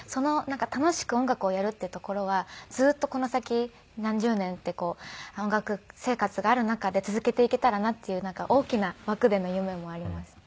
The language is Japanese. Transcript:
楽しく音楽をやるっていうところはずっとこの先何十年って音楽生活がある中で続けていけたらなっていう大きな枠での夢もあります。